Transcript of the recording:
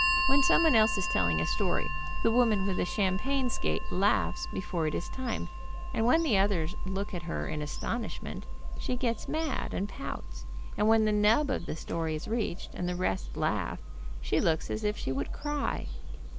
When someone else is telling a story, the woman with a champagne skate laughs before it is time, and when the others look at her in astonishment, she gets mad and pouts, and when the nub of the story is reached, and the rest laugh, she looks as if she would cry.